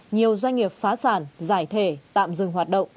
nhiều doanh nghiệp phá sản giải thể tạm dừng hoạt động